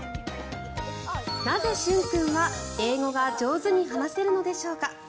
なぜ、駿君は英語が上手に話せるのでしょうか。